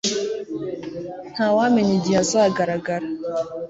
Ntawamenya igihe azagaragara